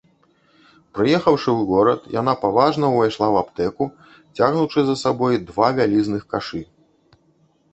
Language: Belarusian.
Прыехаўшы ў горад, яна паважна ўвайшла ў аптэку, цягнучы за сабой два вялізных кашы.